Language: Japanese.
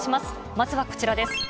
まずはこちらです。